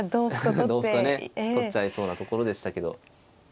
同歩とね取っちゃいそうなところでしたけど。